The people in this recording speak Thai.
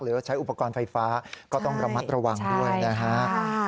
ใช้อุปกรณ์ไฟฟ้าก็ต้องระมัดระวังด้วยนะฮะ